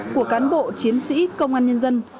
của cán bộ chiến sĩ công an nhân dân